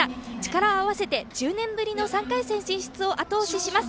力を合わせて１０年ぶりの３回戦進出をあと押しします。